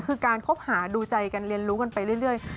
คือการคบหาดูใจกันเรียนรู้กันไปเรื่อย